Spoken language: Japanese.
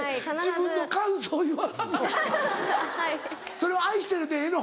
それは「愛してる」でええの？